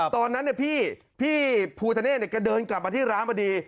ตอนนั้นพี่ภูทะเนธแกเดินกลับมาที่ร้านพอดี